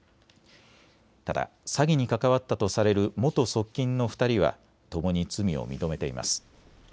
ただ詐欺に関わったとされる元側近の２人はともに罪を認めています。